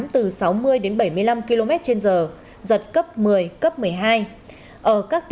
từ sáu mươi đến bảy mươi năm km trên giờ giật cấp một mươi cấp một mươi hai